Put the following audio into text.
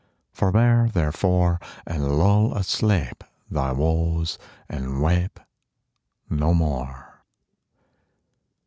Forbear, therefore, And lull asleep Thy woes, and weep No more.